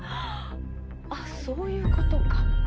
あっそういうことか。